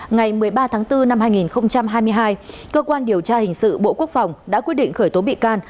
ngày một mươi ba tháng bốn năm hai nghìn hai mươi hai cơ quan điều tra hình sự bộ quốc phòng đã quyết định khởi tố bị can